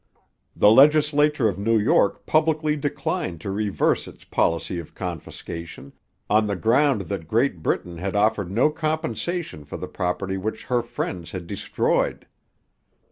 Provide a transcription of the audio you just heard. The legislature of New York publicly declined to reverse its policy of confiscation, on the ground that Great Britain had offered no compensation for the property which her friends had destroyed.